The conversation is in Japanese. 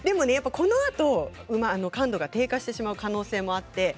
このあと感度が低下してしまう可能性があります。